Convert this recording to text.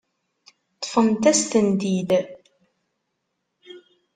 Ṭṭfent-as-tent-id.